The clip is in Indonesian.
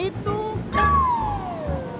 itu maksudnya apa